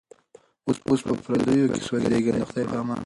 اوس په پردیو کي سوځېږمه د خدای په امان